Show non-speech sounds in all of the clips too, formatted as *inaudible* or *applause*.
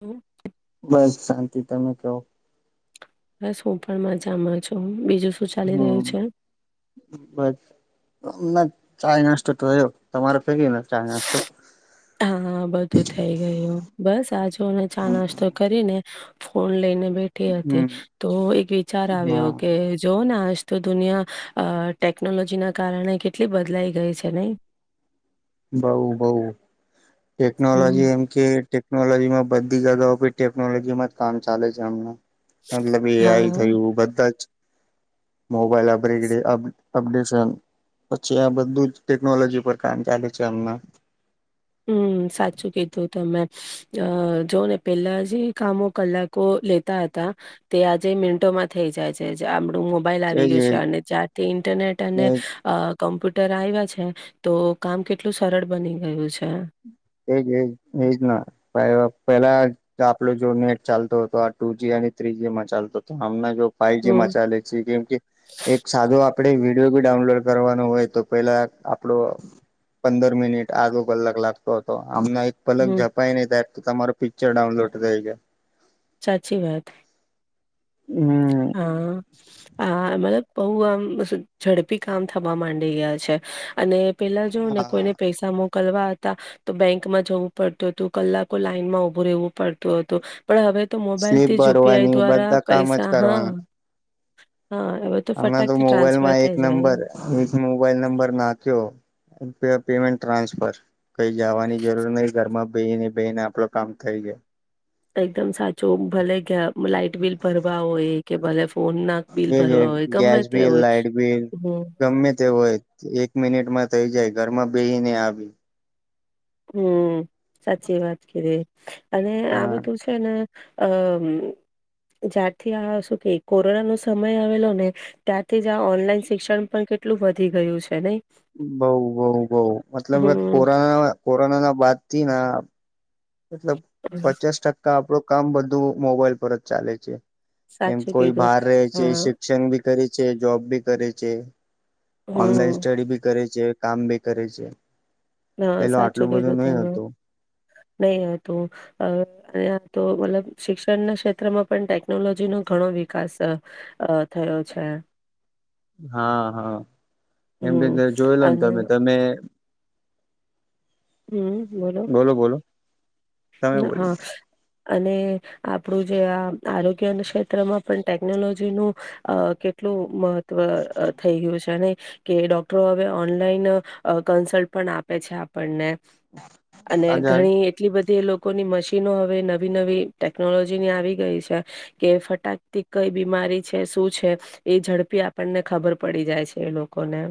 હમ. બસ શાંતિ તમે કેવ? બસ હું પણ મજામાં છું, બીજું શું ચાલી હમ રહ્યું છે? બસ ના ચાઈ નાસ્તો તોયળો તમારો થે ગીયોને ચાઈ નાસ્તો? હા બધું થઈ ગયું બસ આ જુને ચા નાસ્તો કરીને ફોન લઈને બેઠી હતી હમ તો એક વિચાર ના આવ્યો કે જોઓને આજ તો દુનિયા અ ટેકનોલોજીના કારણે કેટલી બદલાઈ ગઈ છે નહી બઉ બઉ હમ્મ. ટેકનોલોજી એમ કે ટેકનોલોજીમાં બધી જગાઓ ભી ટેકનોલોજીમાં જ કામ ચાલે છે, અમને મતલબ એ આઈ હા. થયું બધા જ મોબાઈલ અબ્રગેડે અપડેશન પછી આ બધું જ ટેકનોલોજી પર કામ ચાલે છે હમના હમ્મ સાચું કીધું તમે અ જો ને પેલા જે કામો કલાકો લેતા હતા તે આજે મિનટો મા થઈ જાય છે, આપડુ મોબાઈલ એ આવી જ ગયું છે અને ત્યારથી ઇન્ટરનેટ અને એ અ કમ્પ્યુટર આવ્યા છે, તો કામ કેટલું સરળ બની ગયું છે. એજ એજ એજ ના પેલા આપલો જો નેટ ચાલતો હતો આ ટુ જી આ અને થ્રી જી મા ચાલતો હમના જો ફઇવ જી હમ્મ મચાલે છે, કેમ એક સાધો આપ આપણે વિડીયો બી ડાઉનલોડ કરવાનો હોય તો પેલા આપડો પંદર મિનિટ આગો કલાક લાગ તો હતો આમને એક પલક હમ્મ જપાય ને તાય તો તમારો પિક્ચર ડાઉનલોડ થઈ જાય સાચી વાત હમ. હ મતલબ બહુ આમ ઝડપી કામ થવા માંડી ગયા છે, અને પેલા જોઓ ને હા કોઈને પૈસા મો મોકલવા હતા તો બેંકમાં જવું પડતું હતું કલાકો લાઈનમાં ઉભું રહેવું પડતું હતું પણ હવે તો સ્લીપ મોબાઈલથી યુપીઆઈ ભરવાની દ્વારા બધા કામ જ પૈસા હા હા, હવે હમણા તો ફટાકથી ટ્રાન્સફર મોબાઈલમાં એક થઈ જાય નંબર એમ. એક મોબાઈલ નંબર નાખ્યો પેમેન્ટ ટ્રાન્સફર કઈ જવાની જરૂર નહી ઘરમાં બેહીને બેહીને આપણે કામ થઈ જાય એકદમ સાચું ભલે લાઈટ બિલ ભરવા હોય કે ભલે ફોનના બિલ ભરવા હોય ગમે ગેસ તે બિલ, હોય. લાઈટ બિલ, હમ્મ, ગમે તેવું હોય એક મિનિટમાં થઈ જાય ઘરમાં બેહી ને આવી હમ સાચી વાત કીધી અને આ હા બધું છે ને અમ. જ્યારથી આ શું કે કોરોના નો સમય આવેલો ને ત્યારથી જ આ ઓનલાઈન શિક્ષણ પણ કેટલું વધી ગયું છે, નઈ? બઉ, બઉ, બઉ. મતલબ આ હમ કોરોના કોરોનાના બાદથી ના મતલબ પચાસ ટકા આપડું કામ બધું મોબાઈલ પર જ ચાલે છે. એમ. સાચું કોઈ કીધું બહાર રહે છે, હા શિક્ષણ બી કરે છે, જોબ બી કરે છે, ઓનલાઈન હમ સ્ટડી બી કરે છે. છે, કામ બી કરે છે, પેલો આટલું બધું નઈ હતું. નહીં હતું. અ આ તો મતલબ શિક્ષણના ક્ષેત્રમાં પણ ટેકનોલોજીનો ઘણો વિકાસ થયો થયો છે. હા, હા. એમ કે હમ કે જોઈ લો ન અને તમે, તમે હમ બોલો, તમે ના બોલો હા. અને, આપણું જે આ આરોગ્યના ક્ષેત્રમાં પણ ટેકનોલોજીનું અ કેટ કેટલું, મહત્વ અ થઈ ગ્યું છે નહીં? કે ડોક્ટરો હવે ઓનલાઈન કન્સલ્ટ પણ આપે છે આપણને. અને આગળ ઘણી એટલી બ ધી, એ લોકોની મશીનો હવે નવી નવી ટેકનોલોજીની આવી ગઈ છે, કે ફટાકથી કઈ બીમારી છે, શું છે, એ ઝડપી આપણને ખબર પડી જાય છે, એ લોકોને.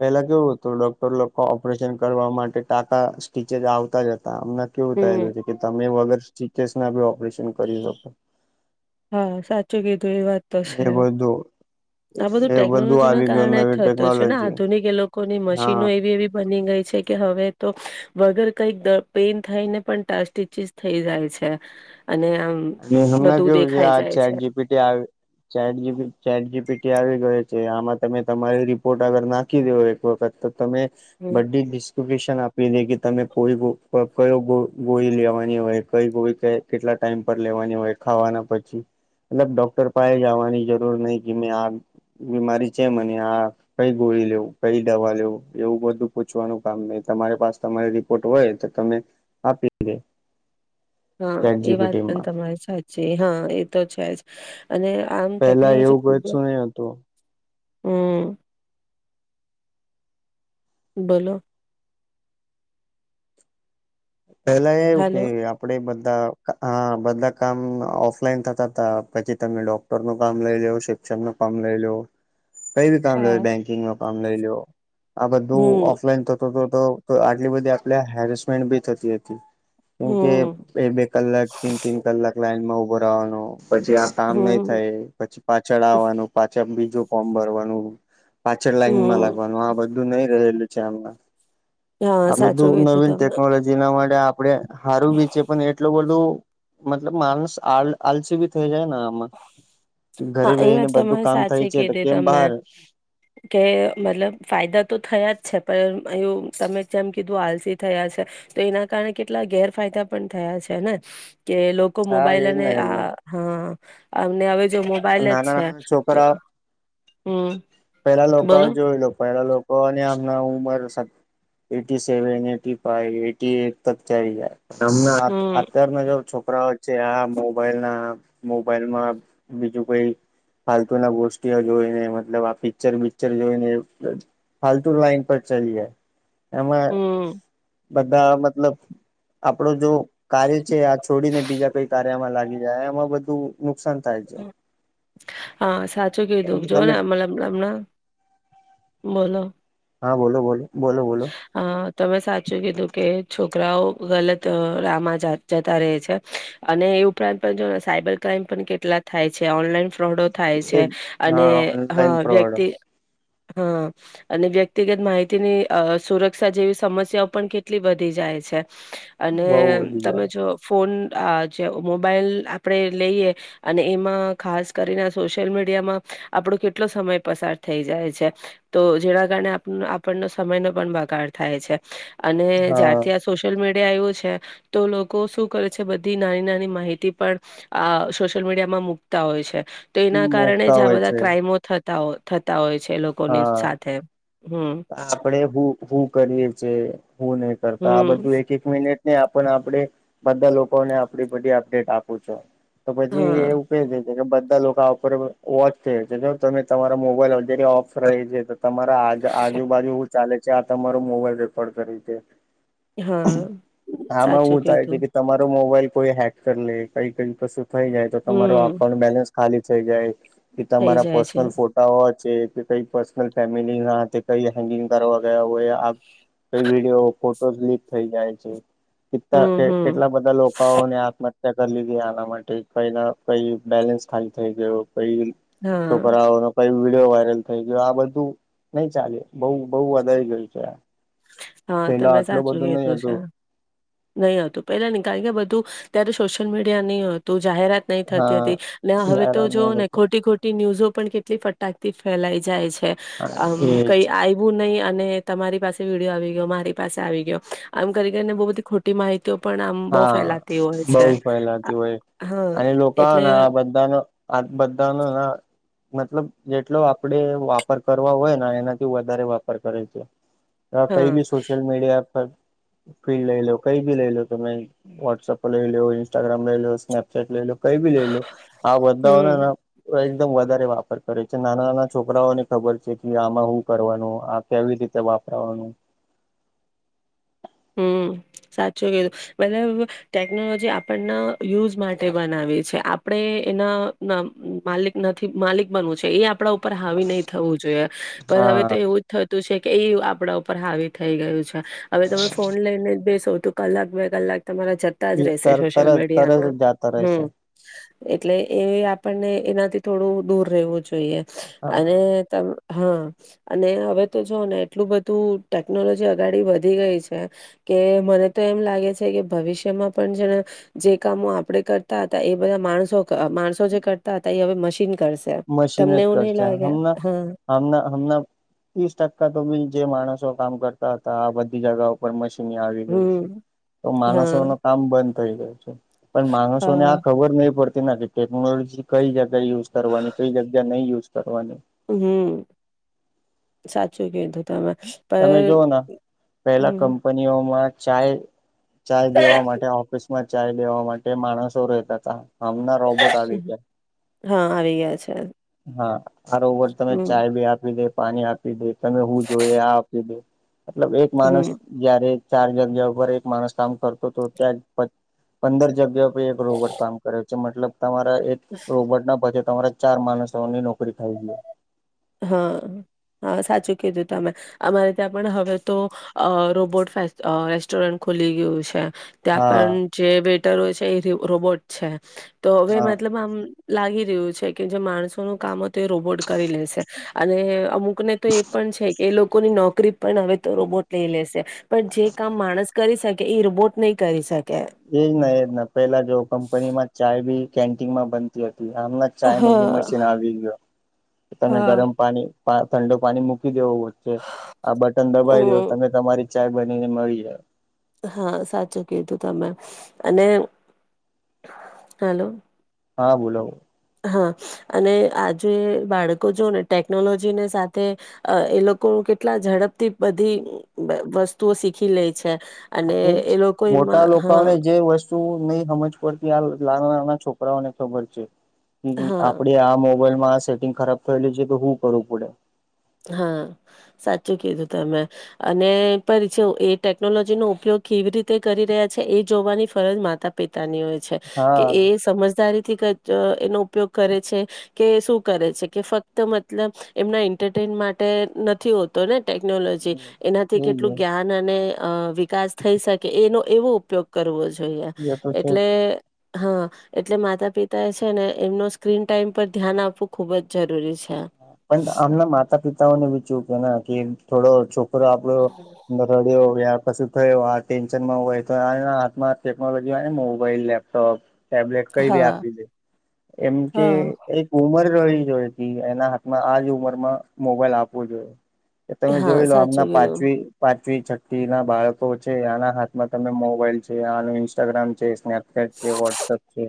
પેલા કેવું હતું, ડોક્ટર લોકો ઓપરેશન કરવા માટે ટાંકા સ્ટીચ ઝ આવતા જ હ તા. અમના કેવું હમ. થયેલું છે કે તમે વગર સ્ટીચીઝના બી ઓપરેશન કરી શકો. હા, સાચું કીધું. એ વાત તો છે. એ બધું આ બધું એ ટેકનોલોજીના આવી ગયું કારણે જ નવી થતું છે ને. ટેકનોલોજી આધુનિક એ લોકોની હા મશીનો એવી એવી બની ગઈ છે, કે હવે તો વગર કંઈક દ પેઈન થઈને પણ ટ સ્ટીચીઝ થઈ જાય છે. અને આમ અને હમણાં બધું કેવું છે, દેખાઈ આ જાય છે ચેટ જી પી ટી આવ, chat G P T, chat G P T આવી ગયું છે, આમાં તમે તમારી રિપોર્ટ અગર નાખી દેવ એક વખત, તો તમે હમ્મ. બધી હિસ્ *unintelligible* આપી દે કે તમે કોઈ ગો, કયો ગો, ગોળી લેવાની હોય, કઈ ગોળી ક કેટલા ટાઈમ પર લેવાની હોય, ખાવાના પછી. મતલબ ડોક્ટર પાહે જવાની જરૂર નહીં, કે મેં આ બીમારી છે મને આ, કઈ ગોળી લેવું, કઈ દવા લેવું, એવું બધું પૂછવાનું કામ ન તમારી પાસ તમારી રિપોર્ટ હોય, તો તમે આપી દે હા ચેટ એ વાત પણ જીપીટીમાં તમારી સાચી, હા એ તો છે જ. અને આમ પેલા ટેકનોલોજી એવું ખૂબ કશું નહી હતું. હં, બોલો. પેલા એવું કે હાલો આપડે બ ધા હા, બધા કામ અ ઓફલાઈન થતા તા પછી તમે ડોક્ટરનું કામ લઈ લેવ શે ચરનું કામ લઈ લો કઈ બી કામ લઈ હા લો, બેંકિંગનું કામ લઈ લ્યો, આ બધું હમ ઓફલાઈન થતુ તો. તો, તો આટલી બધી આપણે હેરેસમેન્ટ બી થતી હતી. કેમકે હમ બે બે કલાક, તીન તીન કલાક લાઈનમાં ઉભો રવાનો. પછી આ કામ નહીં હમ થાય, પછી પાછળ આવવાનું, પાછા બીજું ફોર્મ ભરવાનું. પાછળ લાઈનમાં હમ લાગવાનું આ બધું નહી રહેલું છે, હમના. હા આ સાચું બધું કીધું નવીન તમે ટેકનોલોજીના મા આપડે હારું બી છે, પન એટલું બધું મતલબ માનસ આલ આલસી બી થઈ જાય. ને ઘરે હા એ બેહીને વાત બધું તમારી કામ થાય સાચી છે, તો કીધી કેમ તમે બહાર કે મતલબ ફાયદા તો થયા જ છે પણ એવુ તમે જેમ કીધું આલસી થયા છે, તો એના કારણે કેટલા ગેરફાયદા પણ થયા છે. છે ને, કે લોકો હા મોબાઈલ એ અને ને એના હ અ આમ ને હવે જો મોબાઈલ નાના જ છે નાના તો છોકરા, હમ પેહેલા લોકો બોલો જોઈ લો, પેલા લોકો તો અને હમણા ઉંમર સા eighty seven, eighty five, eighty eight તક ચાયલી જાય. આમના અ, હમ અત્યારના જે છોકરાઓ છે આ મોબાઈલના, મોબાઈલમાં બીજું કોઈ ફાલતુ ના ગોષ્ટીઓ જોઈને મતલબ આ પિક્ચર બિક્ચર જોઈને ફાલતુ લાઈન પર ચલીયે. હમ્મ. બધા મતલબ આપડો જો કાર્ય છે આ છોડીને બીજા કઈ કાર્યમાં લાગી જાય એમાં બધું નુકસાન થાય. છે. હા સાચું કીધું જો ને તમે એમ મતલબ એમના બોલો હા બોલો બોલો. બોલો બોલો હ તમે સાચું કીધું કે છોક છોકરાઓ ગલત રહમા જતા રહે છે, અને એ ઉપરાંત પણ જો સાયબર ક્રાઈમ પણ કેટલા થાય છે ઓનલાઈન ફ્રોડો થાય છે એજ અને હા હ ઓનલાઈન ફ્રોડ વ્યક્તિ હા, અને વ્યક્તિગત માહિતીની અ સુરક્ષા જેવી સમસ્યાઓ પણ કેટલી વધી જાય છે. અને બઉ વધી તમે જાય જો ફોન આ જે મોબાઈલ આપરે લઈએ અને એમાં ખાસ કરીને સોશિયલ મીડિયામાં આપણો કેટલો સમય પસાર થઈ જાય છે તો જેના કારણે આપણો સમયનો પણ બગાડ થાય છે, અને હા જ્યારથી આ સોશલ મી ડિયા આવ્યું છે તો લોકો શું કરે છે બધી નાની નાની માહિતી પણ આ સોશિયલ મીડિયામાં મૂકતા હોય છે, તો એના કારણે મુકતા જ આ હોય બધા છે. ક્રાઈમો થ થતા હોય છે લોકોની સાથે હમ્મ. આપણે હું હું કરીએ છે, હું નય કરતા આ હમ બધું એક એક મિ નિટ આપણ આપડે બધા લોકોને આપડી બધી અપડેટ આપું છો. તો પછી હા એ ઉકેલે. કેમકે બધા લોકા આફોટેબલ વોચ છે જો તમે તમારા મોબાઈલ અંગે ઓફર છેતો તમારા આજ આજુબાજુ હુ ચાલે છે આ તમારો મોબાઈલ રેકોર્ડ કરે છે. હા આમાં સાચું હું થાય કીધું છેકે તમારો મોબાઈલ કોઈ હેક કરીલે કઈ કઈ કશું થઈ જાય તો તમારો હમ્મ અકાઉન્ટ બેલેન્સ ખાલી થઈ જાય. કે થઈ તમારા જાય છે. પર્સનલ ફોટાઓ છે. કઈ પર્સનલ ફેમિલીનાં હાતે કઈ હેગિંગ કરવા ગયા હોય આ કઈ વિડીયો, ફોટો લીક થઈ જાય છે. હમ્મ હમ્મ કેટલા કે બધા લોકાઓને આત્મ કરી લીધી આના માટે પૈ કઈના કઈ બેલેન્સ ખાલી થઈ ગયું. કઈ હા છોકરાઓનો કઈ વિડીયો વાયરલ થઈ ગયો આ બધું નય ચાલે બહુ બહુ વધારી ગયું છે આ. હા, તમે સાચું કધું હતું છે, નય હતું પેલા કારણ કે બધું ત્યારે સોશલમીડિયા ની હતું. જાહેરાત નય થતી હા હતી ને હવે તો જાહેરાતને જોઓને ખોટી ખોટી ન્યૂઝો પણ કેટલી ફટાકથી ફેલાઈ જાય છે, અમ કઈ એજ આયવું નય અને તમારી પાસે વિડીયો આવી ગયો મારી પાસે આવી ગયો, આમ કરી કરીને બો બધી ખોટી માહિ હા, બોઉ ફેલાતી આ હોય. હા અને એટલે લોકાના આ બધાનો આ બધાનો હા. મતલબ જેટલો આપડે વાપર કરવા હોયના એનાથી વધારે વાપર કરે છે. હા કઈબી સોશલમીડિયા પર ફીલ્ડ લઈ લો કઈ બી લઈ લો. તમે વોટસએપ લઈ લેવો, ઇન્સ્ટાગ્રામ લઈ લેવો, સ્નેપચેટ લઈ લેવો. કઈ બી લેઈ લેવો આ બધાં હમ્મ ક એકદમ વધારે વાપર કરે છે, નાના નાના છોકરાઓને ખબર છેકે આમાં હું કરવાનું આ કેવી રીતે વાપ પરવાનું. હમ્મ સાચું કીધું, મતલબ ટેકનોલોજી આપણનાં યુઝ માટે બના છે આપડે એના માલિક નથી માલિક બનવું છે એ આપ આપડા ઉપર હાવી નય થવું જોઈએ, પણ હવે તો હા એવું જ થતું છે કે આપડા ઉપર હાવી થઈ ગયું છે, હવે તમે ફ ને જ બેસો તો કલાક, બે કલાક તમારા જતાં જ એ રેહશે તર સોશિયલ તરત તરત જ મીડિયામાં, જાતા રહેશે હમ્મ. એટલે એ આપણને એનાથી થોડું દૂર રેહવું જોઈએ. હા અને ત હા, અને હવે તો જોવોને એટલું બધું ટેકનોલોજી અગાડી વધી ગઈ છે કે મને તો એમ લાગે છે કે ભવિષ્યમાં પણ છે ને જે કામો આપડે કરતાં હતાં, એ એ બધા માણસો ક માણસો જે કરતા હતા એ હવે મશીન કરશે મશીન તમને જ એવું નહી કરશે. લાગે હમના, હા હમના હમના, તીસ ટકા તો બિ જે માણસો કામ કરતા હતા આ બધી જગાઓ ઉપર મશી ની આવી ગઈ છે, હમ તો હા માનસોનું કામ બંધ થઈ ગયુ છે. પણ માણસોને હા આ ખબર નહી પડતી *unintelligible* ટેકનોલોજી કઈ જગ્યાએ યુઝ કરવાની ચોઈ જગ્યા નઈ યુઝ કરવાની. હમ સાચું કીધું. તમે પર તમે જોવ ના, પેહલા હમ કંપનીઓમાં ચાય ચાય દેવા માટે ઓફિસ માં ચાય દેવા માટે માળસો રેતા તા. હમણાં રોબોટ આવી ગ્યા. હા આવી ગયા છે હા! અરોબર તમે હમ ચાય બી આપી દે પાણી આપી દે, તમે હું જોઈ આ આપી દે. મતલબ એક હમ માણસ જ્યારે ચાર જગ્યા ઉપર એક માણસ કામ કરતો ત્યા જ પંદર જગ્યા પર એક રોબોટ કામ કરે છે. મતલબ તમારા એક રોબોટના બજેટ તમારા ચાર માનસોની નોકરી ખાઈ ગ્યો. હા. હા સાચું કીધું તમે. અમારે ત્યાં પણ હવે તો રોબોટ ફે રેસ્ટોરન્ટ ખોલી ગ્યું સે. ત્યાં હા પણ જે વેટરો છે, એ રી રોબોટ છે. તો હવે હા મતલબ આમ લાગી રહ્યું છે કે જે માણસો નું કામ હતું એ રોબોટ કરી લેશે. અને અમુ ક ને તો એ પણ છે કે, એ લોકોની નોકરી પણ હવે તો રોબોટ લઈ લેશે. પણ જે કામ માણસ કરી સકે એ રોબોટ નઈ એજ ને એજ ને, પેલા જેવુ કંપની માં ચાય બી કેન્ટીન માં બનતી હ તી આમ ચાય નું બી હા મશીન આવી ગ્યો, તમે હા ગરમ પાણી પા ઠંડો પાણી મૂકી દેવો વચ્ચે આ બટન દબાવી દયો હમ તમે તમારી ચાય બનીને મળી જાય. હા સાચું કીધું તમે. અને, હેલો. હા બોલો. હા, અને આજે બાળકો જો ને ટેકનોલોજી ને સાથે અ એ લોકો કેટલા ઝડપથી બધી વસ્તુઓ શીખી લે છે. હા અને એજ, એ લોકો મોટા એમાં હા લોકાવે જે વસ્તુ નહી સમજ પડતી આ નાના નાના છોકરાઓને ખબર છે. કે હા આપડે આ મો બાઈલમાં આ સેટિંગ ખરાબ થયેલું છે કે હું કરું પડે? હા, સાચું કીધું તમે. અને પરી છો એ ટેકનોલોજીનો ઉપયોગ કેવી રીતે કરી રહ્યા છે, એ જોવાની ફરજ માતા પિતાની હોય છે. કે હા એ સમજદારી થી કજ અ એનો ઉપયોગ કરે છે, કે સુ કરે છે? કે ફક્ત મતલબ એમના ઈ ન્ટરટેન માટે નથી હોતો ને ટેકનોલોજી, એનાથી કેટલું એ જ્ઞાન અને અ વિકાસ થઈ શકે એનો એવો ઉપયોગ કરવો જોઈએ. એ તો છે એટલે હા. એટલે માતા પિતા એ છે ને એમનો સ્ક્રીન ટાઈમ પર ધ્યાન આપવું ખુબ જ જરૂરી છે. પણ આમના માતા પિતાઓને ચીઓ કે કેમ થોડો છોક રો આપડો ન રડ્યો કે કશું થયુ હો ટેન્શન માં હોય તો એના હાથમાં ટેકનોલોજી હોય ને મોબાઈલ, લેપટોપ ટેબલેટ કઈ બી હા આપી દે. એમ કે હા એક ઉમર રહી જોઈ હતી એના હાથમાં આજ ઉંમર માં મોબાઈલ આપવો જોયે. તમે હા જોઈ લો આમના સાચું કીધું પાંચમ પાચ પાંચવી છઠ્ઠી ના બાળકો છે, આના હાથમાં તમે મોબાઈલ છે. આનું ઇન્સ્ટાગ્રામ છે. સ્નેપ સ્નેપ ચેટ છે, વોટ્સઅપ છે.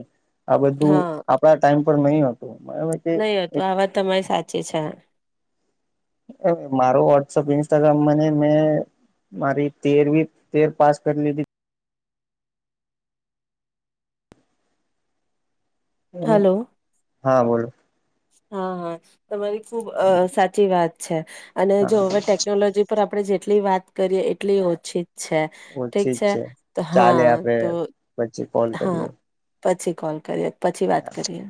આ બધું હા આપણા ટાઈમ પર નહી હતું. નહી હતું આ વાત તમારી સાચી છે. હવે મારો વોટ્સઅપ, ઇન્સ્ટાગ્રામ મને મેં મારી તેરવી તેર પાસ કરી લીધી. લીધી હલો! હા બોલો. હા હા. તમારી ખુબ સાચી વાત છે. અને જો હા હવે ટેકનોલોજી પર આપણે જેટલી વાત કરીએ, એટલી ઓછી. છે ઠીક ઓછી જ છે. ચાલે હા આપડે તો પછી કોલ હા કરીએ. પછી કોલ કરીએ, પછી વાત કરીએ.